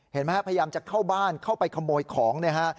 เห็นไหมครับพยายามจะเข้าบ้านเข้าไปขโมยของนะฮะ